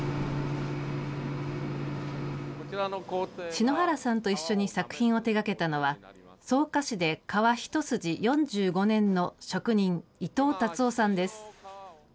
篠原さんと一緒に作品を手がけたのは、草加市で革一筋４５年の職人、伊藤達雄さんです。